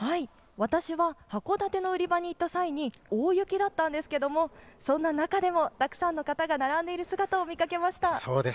函館の売り場に行った際に大雪だったんですがそんな中でも、たくさんの方が並んでいる姿を見かけました。